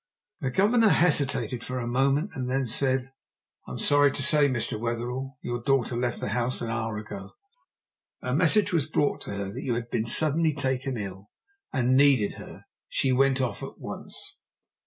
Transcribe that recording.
The Governor hesitated a moment, and then said "I am sorry to say, Mr. Wetherell, your daughter left the House an hour ago. A message was brought to her that you had been suddenly taken ill and needed her. She went off at once."